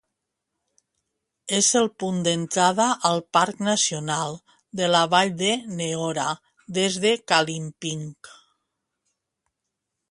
És el punt d'entrada al Parc Nacional de la Vall de Neora des de Kalimping.